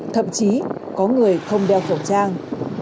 thậm chí có người không đeo khẩu trang